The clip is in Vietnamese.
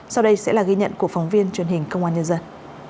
sau đây sẽ là ghi nhận của phóng viên truyền hình công an nhân dân